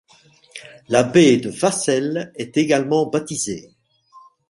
La baie de Vahsel est également baptisée.